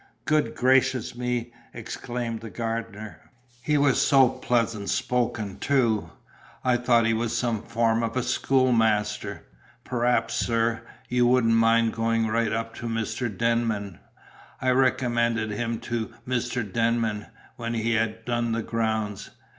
"Good gracious me!" exclaimed the gardener. "He was so pleasant spoken, too; I thought he was some form of a schoolmaster. Perhaps, sir, you wouldn't mind going right up to Mr. Denman? I recommended him to Mr. Denman, when he had done the grounds.